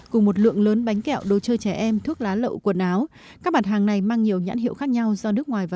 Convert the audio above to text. cùng một lượng lớn bánh kẹo đồ chơi trẻ em thuốc lá lậu quần áo